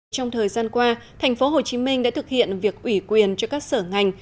trong thời gian qua thành phố hồ chí minh đã thực hiện việc ủy quyền cho các sở ngành